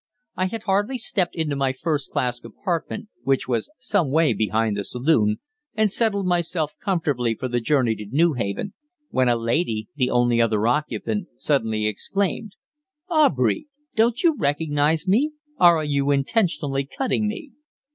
I had hardly stepped into my first class compartment, which was some way behind the saloon, and settled myself comfortably for the journey to Newhaven, when a lady, the only other occupant, suddenly exclaimed: "Aubrey, don't you recognize me, or are you intentionally cutting me?"